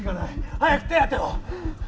早く手当てを！